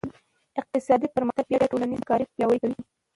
اقتصادي پرمختګ بیا ټولنیزې همکارۍ پیاوړې کوي.